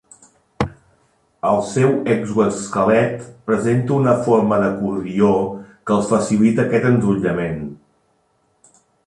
El seu exoesquelet presenta una forma d'acordió que els facilita aquest enrotllament.